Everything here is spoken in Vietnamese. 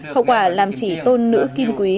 hậu quả làm chỉ tôn nữ kinh quý